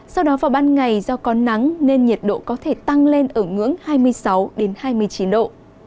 sau đó vào ban ngày do có nắng nên nhiệt độ có thể tăng lên ở ngưỡng hai mươi sáu hai mươi chín độ